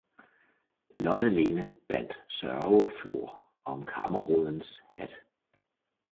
Lotte-Lene bandt sørgeflor om kammerrådens hat.